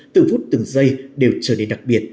từng phút từng giây đều trở nên đặc biệt